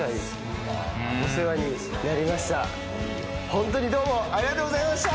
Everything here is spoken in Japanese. ホントにどうもありがとうございました！